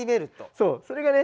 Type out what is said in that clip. そうそれがね